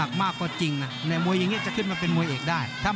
ก็แดง๒๑น้ำเงิน๑๙อ่ะ